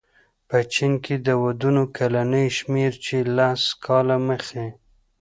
په چین کې د ودونو کلنی شمېر چې لس کاله مخې